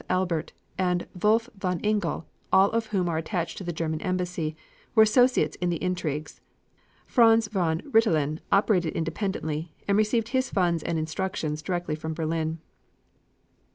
Albert, and Wolf von Igel, all of whom were attached to the German Embassy, were associates in the intrigues. Franz von Rintelen operated independently and received his funds and instructions directly from Berlin.